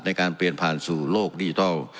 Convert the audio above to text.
ในการเปลี่ยนผ่านสู่โลกดิจิทัล